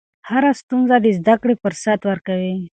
هره ستونزه د زدهکړې فرصت ورکوي.